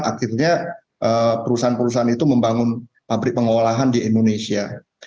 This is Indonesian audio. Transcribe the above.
akhirnya perusahaan perusahaan itu membangun pabrik pengolahan di indonesia